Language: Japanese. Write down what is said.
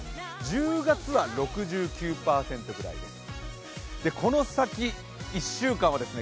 １０月は６９％くらいです。